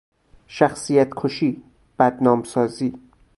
شخصیت کشی، بدنام سازی